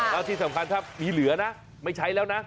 แล้วที่สำคัญถ้ามีเหลือนะไม่ใช้แล้วนะ